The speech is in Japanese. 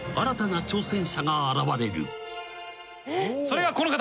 それがこの方。